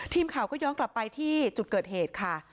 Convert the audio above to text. ทีมข่าวก็ย้อนกลับไปที่จุดเกิดเหตุค่ะ